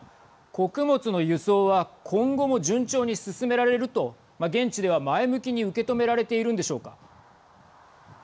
穀物の輸送は今後も順調に進められると現地では前向きに受け止められているんでしょうか。